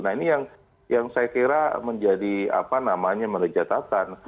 nah ini yang yang saya kira menjadi apa namanya merejatakan